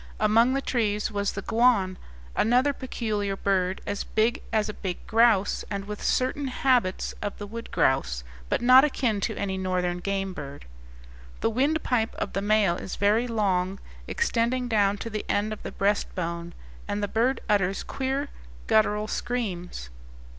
Among the trees was the guan, another peculiar bird as big as a big grouse, and with certain habits of the wood grouse, but not akin to any northern game bird. The windpipe of the male is very long, extending down to the end of the breast bone, and the bird utters queer guttural screams.